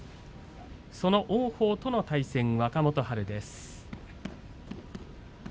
その王鵬との対戦、若元春です。